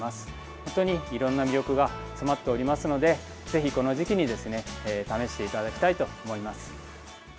本当に、いろんな魅力が詰まっていますのでぜひ、この時期に試していただきたいと思います。